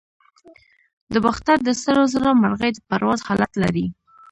د باختر د سرو زرو مرغۍ د پرواز حالت لري